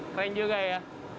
keren juga ya